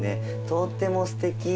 とってもすてき。